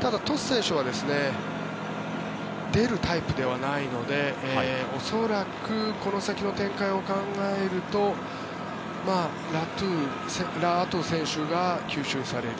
ただトス選手は出るタイプではないので恐らく、この先の展開を考えるとラ・アトウ選手が吸収される。